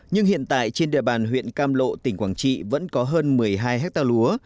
nhưng hiện tại trên địa bàn huyện cam lộ tỉnh quảng trị vẫn có hơn một mươi hai hectare lúa